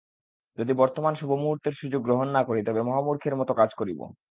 যদি বর্তমান শুভমুহূর্তের সুযোগ গ্রহণ না করি, তবে মহামূর্খের মত কাজ করিব।